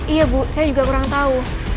iya bu saya juga kurang tahu